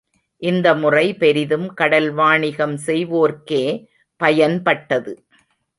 இந்த முறை பெரிதும் கடல் வாணிகம் செய்வோர்க்கே பயன்பட்டது.